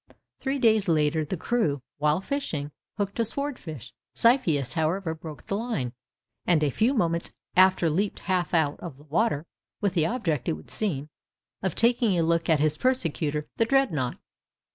Three days later, the crew, while fishing, hooked a sword fish. Xiphias, however, broke the line, and a few moments after leaped half out of the water, with the object, it would seem, of taking a look at his persecutor, the 'Dreadnought.